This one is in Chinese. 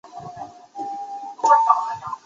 皮肤棕黑色。